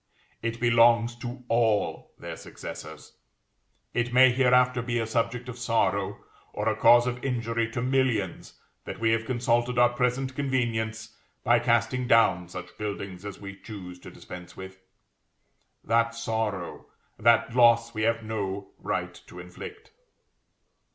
It belongs to all their successors. It may hereafter be a subject of sorrow, or a cause of injury, to millions, that we have consulted our present convenience by casting down such buildings as we choose to dispense with. That sorrow, that loss we have no right to inflict.